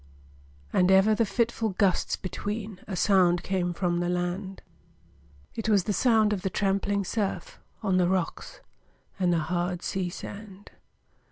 And ever the fitful gusts between A sound came from the land; It was the sound of the trampling surf, On the rocks and the hard sea sand.